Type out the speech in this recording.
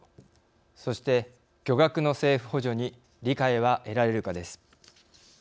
そして巨額の政府補助に理解は得られるかです。